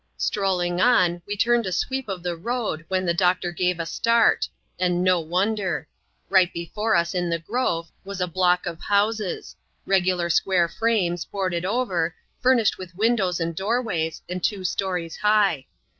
Strolling on, we turned a sweep of the road, when the doctor gave a start ; and no wonder. Right before us, in the grove, was a block of houses : regular square frames, boarded over, furnished with windows and doorways, and two stories high.